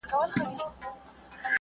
کانتينر د انسانانو